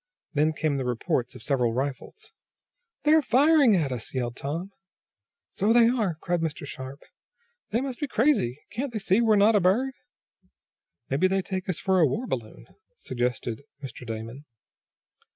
Then came the reports of several rifles. "They're firing at us!" yelled Tom. "So they are!" cried Mr. Sharp. "They must be crazy! Can't they see that we're not a bird." "Maybe they take us for a war balloon," suggested Mr. Damon.